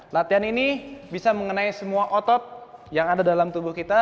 latihan ini bisa mengenai semua otot yang ada dalam tubuh kita